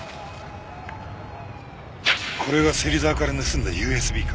これが芹沢から盗んだＵＳＢか。